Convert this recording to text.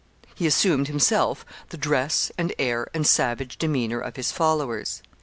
He assumed, himself, the dress, and air, and savage demeanor of his followers.